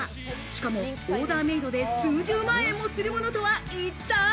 しかもオーダーメイドで数十万円するものとは一体？